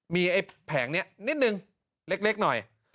มีไอ้แผงนี้นิดนึงเล็กหน่อย